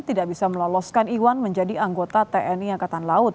tidak bisa meloloskan iwan menjadi anggota tni angkatan laut